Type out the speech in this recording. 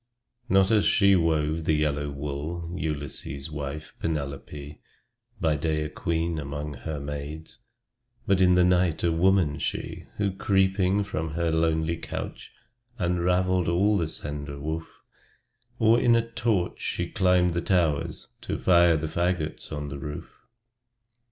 Not as she wove the yellow wool, Ulysses' wife, Penelope; By day a queen among her maids, But in the night a woman, she, Who, creeping from her lonely couch, Unraveled all the slender woof; Or, with a torch, she climbed the towers, To fire the fagots on the roof!